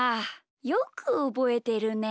よくおぼえてるね！